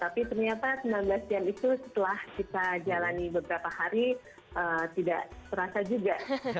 tapi ternyata sembilan belas jam itu setelah kita jalani beberapa hari tidak terasa juga